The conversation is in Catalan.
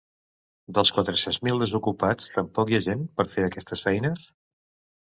Dels quatre-cents mil desocupats, tampoc hi ha gent per a fer aquestes feines?